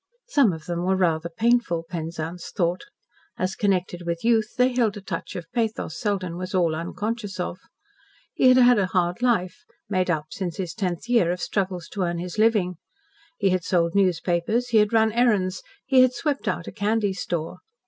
Some of them were rather painful, Penzance thought. As connected with youth, they held a touch of pathos Selden was all unconscious of. He had had a hard life, made up, since his tenth year, of struggles to earn his living. He had sold newspapers, he had run errands, he had swept out a "candy store."